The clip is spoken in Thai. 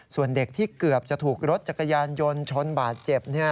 ส่วนเด็กที่เกือบจะถูกรถจักรยานยนต์ชนบาดเจ็บ